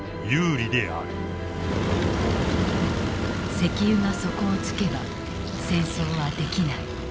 石油が底をつけば戦争はできない。